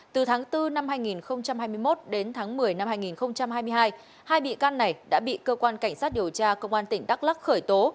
từ tháng bốn năm hai nghìn hai mươi một đến tháng một mươi năm hai nghìn hai mươi hai hai bị can này đã bị cơ quan cảnh sát điều tra công an tỉnh đắk lắc khởi tố